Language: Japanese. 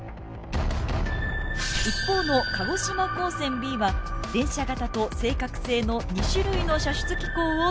一方の鹿児島高専Ｂは連射型と正確性の２種類の射出機構を搭載。